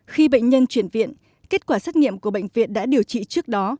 khi bệnh nhân chuyển viện kết quả xét nghiệm của bệnh viện đã điều trị trước đó